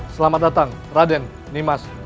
selamat datang raden nimas